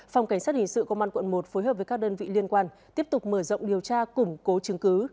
phòng cảnh sát hình sự công an quận một phối hợp với các đơn vị liên quan tiếp tục mở rộng điều tra củng cố chứng cứ